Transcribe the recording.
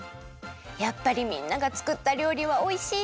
やっぱりみんながつくったりょうりはおいしいね！